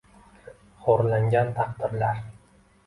xo’rlangan taqdirlar!!!...